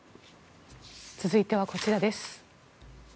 続いてはこちらです。